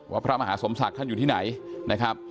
พระมหาสมศักดิ์ท่านอยู่ที่ไหนนะครับ